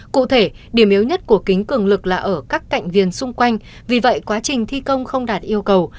cụ thể điểm yếu nhất của kính cường lực là ở các cạnh viền xung quanh vì vậy quá trình thi công không đạt yêu cầu